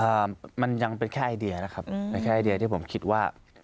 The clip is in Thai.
เอ่อมันยังเป็นแค่ไอเดียนะครับอืมเป็นแค่ไอเดียที่ผมคิดว่า